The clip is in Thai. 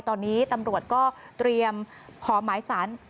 ตอนนี้ตำรวจก็เตรียมขอหมายสาร